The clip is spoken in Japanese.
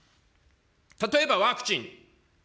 例えばワクチン。